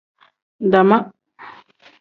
Dama.